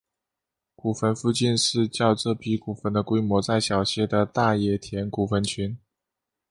古坟附近是较这批古坟的规模再小一些的大野田古坟群。